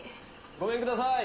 ごめんください。